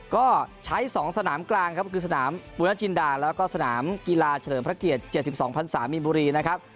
ก็ใช้๒สนามกลางครับคือสนามบุรณจินดาแล้วก็สนามกีฬาเฉลิมพระเกียรติ๗๒พันศามีนบุรีนะครับ